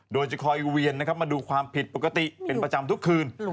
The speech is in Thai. โดยจะคอยเวียนนะครับมาดูความผิดปกติเป็นประจำทุกคืน